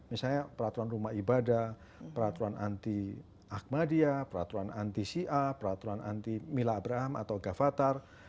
misalnya peraturan rumah ibadah peraturan anti ahmadiyah peraturan anti sia peraturan anti mila abraham atau gafatar